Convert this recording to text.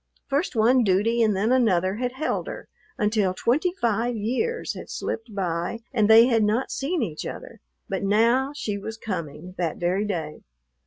First one duty and then another had held her, until twenty five years had slipped by and they had not seen each other, but now she was coming, that very day.